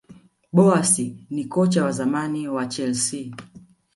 boas ni kocha wa zamani wa chelsea